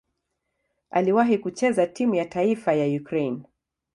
Aliwahi kucheza timu ya taifa ya Ukraine.